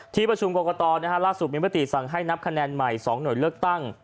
ที่ประชุมกรกตล่าสุดมีมติสั่งให้นับคะแนนใหม่๒หน่วยเลือกตั้ง